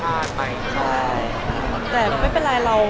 ซึ่งเมื่อนั้นหลายแบบเป็นการสูทาน